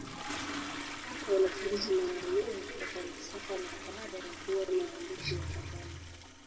Hapa wanafunzi maalumu kwa falsafa na baada ya kuwa na waandishi wa habari